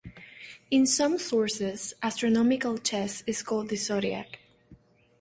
In some sources astronomical chess is called the "Zodiac".